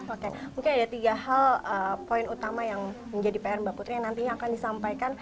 oke mungkin ada tiga hal poin utama yang menjadi pr mbak putri yang nantinya akan disampaikan